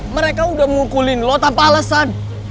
mereka udah mukulin lo tanpa alesan